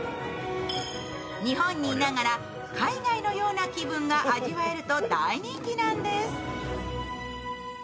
日本にいながら海外のような気分が味わえると大人気なんです。